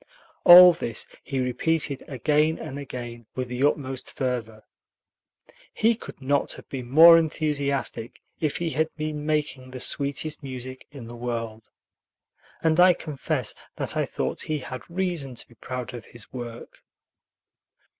All this he repeated again and again with the utmost fervor. He could not have been more enthusiastic if he had been making the sweetest music in the world. And I confess that I thought he had reason to be proud of his work.